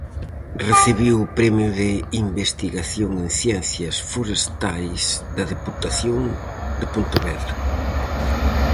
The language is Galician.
Recibiu o Premio de Investigación en Ciencias Forestais da Deputación de Pontevedra.